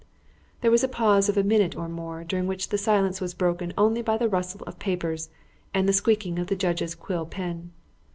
There was a pause of a minute or more, during which the silence was broken only by the rustle of papers and the squeaking of the judge's quill pen.